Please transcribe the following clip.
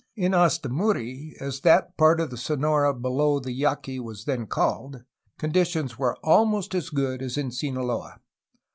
In Ostimuri, as that part of Sono ra below the Yaqui was then called, conditions were almost as good as in Sinaloa.